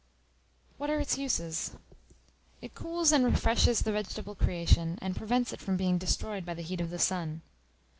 What are its uses? It cools and refreshes the vegetable creation, and prevents it from being destroyed by the heat of the sun.